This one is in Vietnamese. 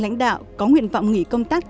lãnh đạo có nguyện vọng nghỉ công tác